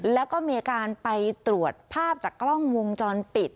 แล้วก็มีการไปตรวจภาพจากกล้องวงจรปิด